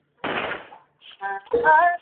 事情终究还没解决